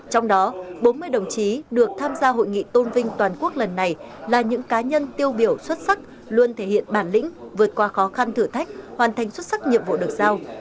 trong đó bốn mươi đồng chí được tham gia hội nghị tôn vinh toàn quốc lần này là những cá nhân tiêu biểu xuất sắc luôn thể hiện bản lĩnh vượt qua khó khăn thử thách hoàn thành xuất sắc nhiệm vụ được giao